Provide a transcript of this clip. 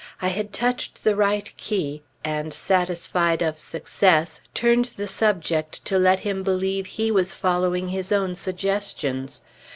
I had touched the right key, and satisfied of success, turned the subject to let him believe he was following his own suggestions.